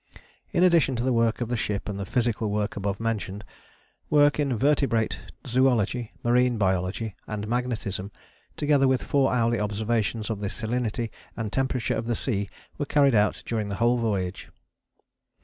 In addition to the work of the ship and the physical work above mentioned, work in vertebrate zoology, marine biology and magnetism, together with four hourly observations of the salinity and temperature of the sea, was carried out during the whole voyage.